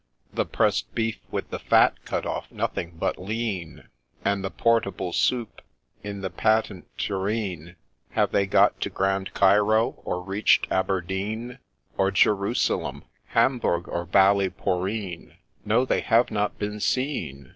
The press'd beef, with the fat cut off — nothing but lean, And the portable soup in the patent tureen ? Have they got to Grand Cairo or reached Aberdeen ? Or Jerusalem — Hamburg — or Ballyporeen ? No ! they have not been seen